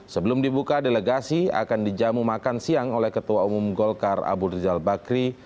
sebelum dibuka delegasi akan dijamu makan siang oleh ketua umum golkar abu rizal bakri